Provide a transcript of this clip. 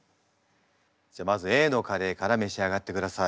じゃあまずＡのカレーから召し上がってください。